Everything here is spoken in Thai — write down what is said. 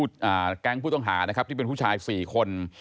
แก๊งผู้ต้องหานะครับที่เป็นผู้ชาย๔คน